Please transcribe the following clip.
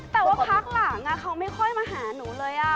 แต่ว่าพักหลังเขาไม่ค่อยมาหาหนูเลย